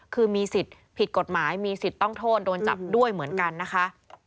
คือมีสิทธิ์ผิดกฎหมายมีสิทธิ์ต้องโทษโดนจับด้วยเหมือนกันนะคะ